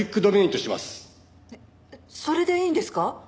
えっそれでいいんですか？